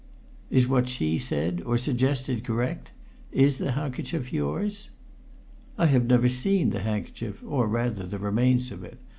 "Is what she said, or suggested, correct? Is the handkerchief yours?" "I have never seen the handkerchief, or, rather, the remains of it.